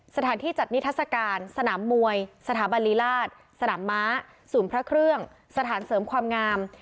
สถานที่จัดนิทัศกาลสนามมวยสถาบันลีราชสนามม้าศูนย์พระเครื่องสถานเสริมความงาม